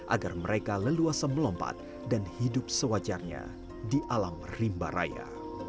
agar mereka leluasa melompat dan hidup sewajarnya di alam rimba raya